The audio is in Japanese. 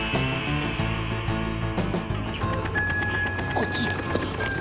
こっちよ。